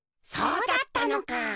そうだったのか！